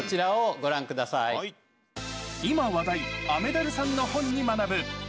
今話題、雨ダルさんの本に学ぶ。